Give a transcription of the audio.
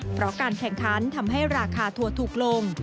เพราะการแข่งขันทำให้ราคาทัวร์ถูกลง